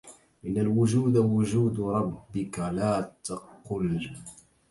إن الوجود وجود ربك لا تقل